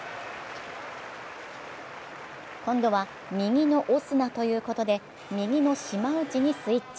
今度は、右のオスナということで、右の島内にスイッチ。